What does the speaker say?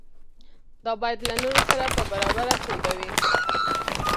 دا باید له نورو سره په برابره توګه وي.